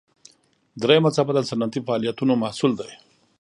دریمه څپه د صنعتي فعالیتونو محصول دی.